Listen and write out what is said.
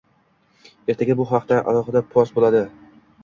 Ertaga bu haqda alohida post bo'ladi